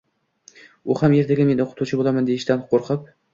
U ham ertaga men o‘qituvchi bo‘laman deyishidan qo‘rqib